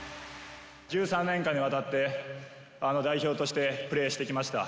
１３年間にわたって、代表としてプレーしてきました。